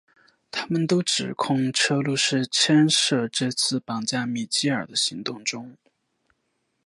他们都指控车路士牵涉这次绑架米基尔的行动中。